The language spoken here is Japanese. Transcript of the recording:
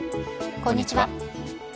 こんにちは。